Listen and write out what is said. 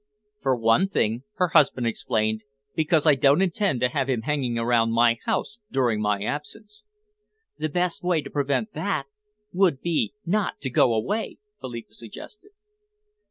"For one thing," her husband explained, "because I don't intend to have him hanging about my house during my absence." "The best way to prevent that would be not to go away," Philippa suggested.